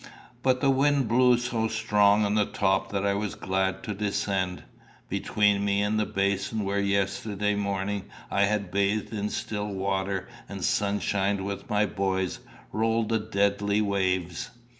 But the wind blew so strong on the top that I was glad to descend. Between me and the basin where yesterday morning I had bathed in still water and sunshine with my boys, rolled the deathly waves.